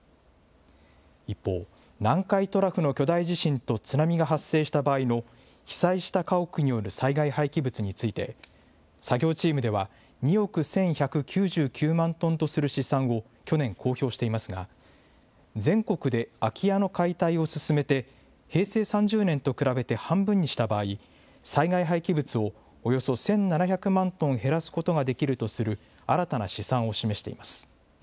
一方、南海トラフの巨大地震と津波が発生した場合の被災した家屋による災害廃棄物について、作業チームでは、２億１１９９万トンとする試算を去年公表していますが、全国で空き家の解体を進めて、平成３０年と比べて半分にした場合、災害廃棄物をおよそ１７００万トン減らすことができるとする新たな試算を示しています。